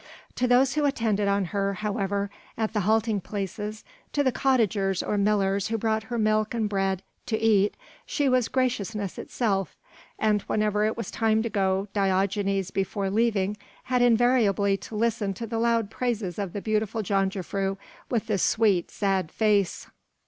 To those who attended on her, however, at the halting places, to the cottagers or millers who brought her milk and bread to eat she was graciousness itself, and whenever it was time to go, Diogenes before leaving had invariably to listen to the loud praises of the beautiful jongejuffrouw with the sweet, sad face.